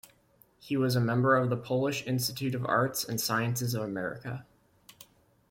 He was a member of the Polish Institute of Arts and Sciences of America.